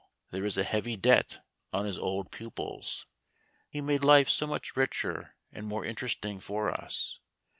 There is a heavy debt on his old pupils. He made life so much richer and more interesting for us.